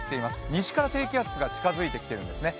西から低気圧が近づいてきているんですね。